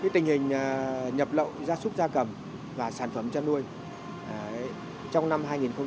tình hình nhập lậu ra súc ra cầm và sản phẩm cho nuôi trong năm hai nghìn hai mươi ba